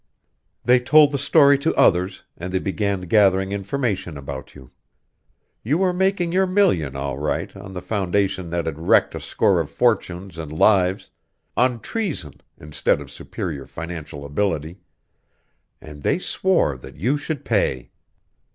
"They told the story to others, and they began gathering information about you. You were making your million, all right, on the foundation that had wrecked a score of fortunes and lives on treason instead of superior financial ability and they swore that you should pay.